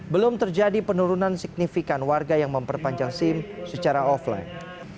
belum terjadi penurunan signifikan warga yang memperpanjang sim secara offline